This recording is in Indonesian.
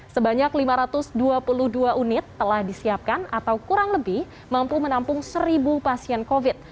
sebanyak lima ratus dua puluh dua unit telah disiapkan atau kurang lebih mampu menampung seribu pasien covid